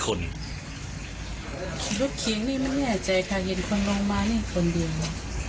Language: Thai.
ดง่างนี้แหละเจ๋ญค่ะเห็นคนลงม้านี่คนเดียว